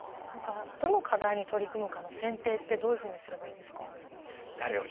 何かどの課題に取り組むかの選定ってどういうふうにすればいいんですか？